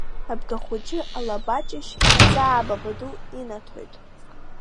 Абгахәыҷы алабаҷашь Аҵаа Бабаду инаҭоит.